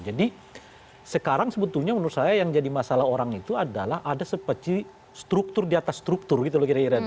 jadi sekarang sebetulnya menurut saya yang jadi masalah orang itu adalah ada seperti struktur di atas struktur gitu loh kira kira